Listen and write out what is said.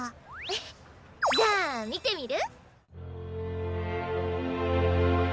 じゃあみてみる？